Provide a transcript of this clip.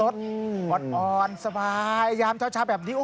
อ่อนสบายยามเช้าแบบนี้